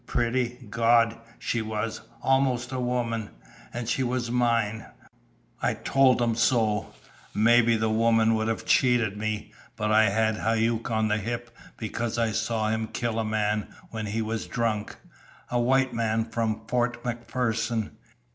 Pretty? Gawd, she was! Almost a woman. And she was mine. I told 'em so. Mebby the woman would have cheated me, but I had Hauck on the hip because I saw him kill a man when he was drunk a white man from Fort MacPherson.